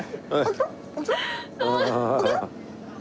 ああ。